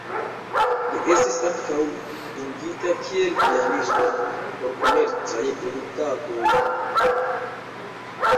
Li estis ankaŭ dungita kiel pianisto por komercaj produktadoj.